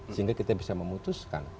sehingga kita bisa memutus